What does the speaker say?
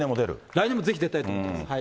来年もぜひ出たいと思ってます。